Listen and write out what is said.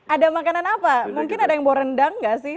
ada makanan apa mungkin ada yang bawa rendang nggak sih